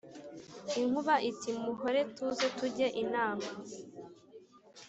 inkuba iti:" muhore tuze tujye inama